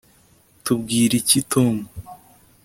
tubwire iki tom